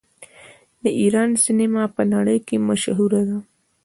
د ایران سینما په نړۍ کې مشهوره ده.